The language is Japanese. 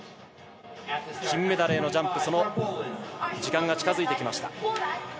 金メダルへのジャンプその時間が近づいてきました。